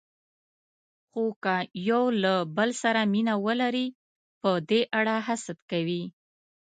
خو که یو له بل سره مینه ولري، په دې اړه حسد کوي.